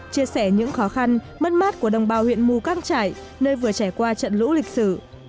chia sẻ những khó khăn mất mát của đồng bào huyện mù căng trải nơi vừa trải qua trận lũ lịch sử